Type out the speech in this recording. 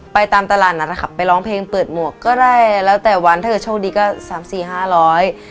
ตามตลาดนัดนะครับไปร้องเพลงเปิดหมวกก็ได้แล้วแต่วันถ้าเกิดโชคดีก็สามสี่ห้าร้อย